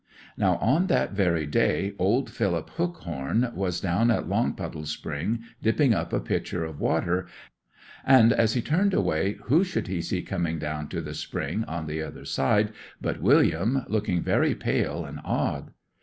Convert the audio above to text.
'Now on that very day old Philip Hookhorn was down at Longpuddle Spring dipping up a pitcher of water; and as he turned away, who should he see coming down to the spring on the other side but William, looking very pale and odd.